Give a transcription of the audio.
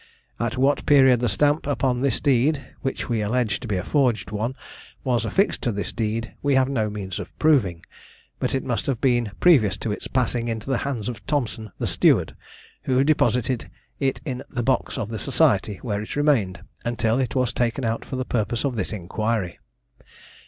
At what period the stamp upon this deed, which we allege to be a forged one, was affixed to this deed we have no means of proving, but it must have been previous to its passing into the hands of Thompson the steward, who deposited it in the box of the society, where it remained until it was taken out for the purpose of this inquiry.